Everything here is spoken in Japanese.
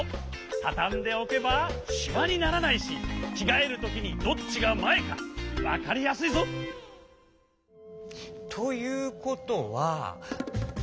たたんでおけばシワにならないしきがえるときにどっちがまえかわかりやすいぞ！ということは。